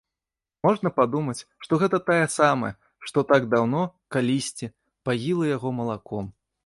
Можна падумаць, што гэта тая самая, што так даўно, калісьці, паіла яго малаком.